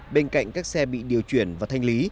bên cạnh các xe bị điều chuyển và thanh lý